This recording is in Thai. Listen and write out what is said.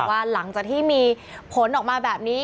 หลังจากที่มีผลออกมาแบบนี้